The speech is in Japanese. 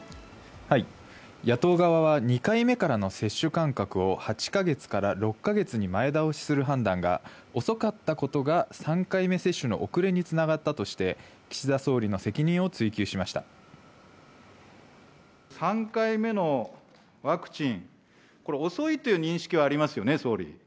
野党側は、２回目からの接種間隔を８か月から６か月に前倒しする判断が、遅かったことが３回目接種の遅れにつながったとして、３回目のワクチン、これ、遅いという認識はありますよね、総理。